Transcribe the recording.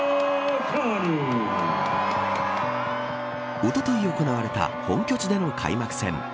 おととい行われた本拠地での開幕戦。